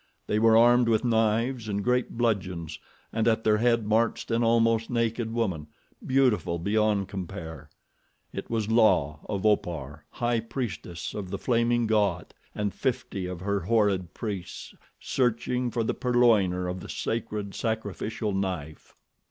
They were armed with knives and great bludgeons and at their head marched an almost naked woman, beautiful beyond compare. It was La of Opar, High Priestess of the Flaming God, and fifty of her horrid priests searching for the purloiner of the sacred sacrificial knife.